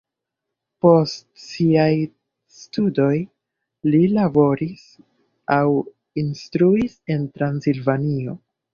Post siaj studoj li laboris aŭ instruis en Transilvanio.